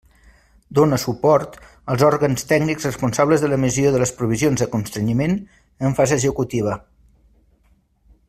Dóna suport als òrgans tècnics responsables de l'emissió de les provisions de constrenyiment en fase executiva.